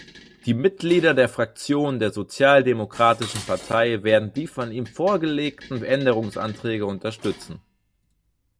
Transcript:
Die Mitglieder der Fraktion der Sozialdemokratischen Partei werden die von ihm vorgelegten Änderungsanträge unterstützen.